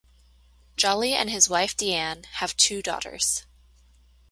Jolly and his wife Deanne have two daughters.